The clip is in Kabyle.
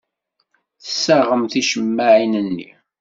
Tessaɣem ticemmaɛin-nni.